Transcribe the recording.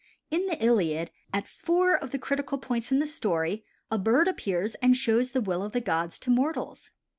In the Iliad, at four of the critical points in the story a bird appears and shows the will of the gods to mortals.